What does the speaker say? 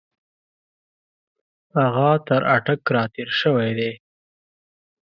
هغه تر اټک را تېر شوی دی.